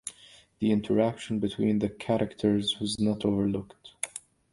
The interaction between the characters was not overlooked.